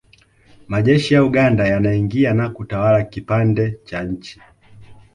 Majeshi ya Uganda yanaingia na kutawala kipande cha nchi